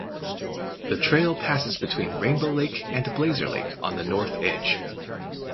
The trail passes between Rainbow Lake and Blazer Lake on the north edge.